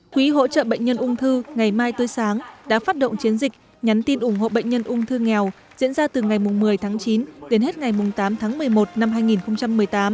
quỹ hỗ trợ bệnh nhân ung thư ngày mai tươi sáng đã phát động chiến dịch nhắn tin ủng hộ bệnh nhân ung thư nghèo diễn ra từ ngày một mươi tháng chín đến hết ngày tám tháng một mươi một năm hai nghìn một mươi tám